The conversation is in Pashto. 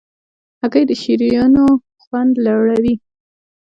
هګۍ د شیرینیو خوند لوړوي.